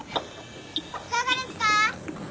いかがですか？